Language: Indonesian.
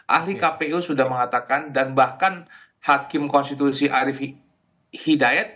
ahli kpu sudah mengatakan dan bahkan hakim konstitusi arief hidayat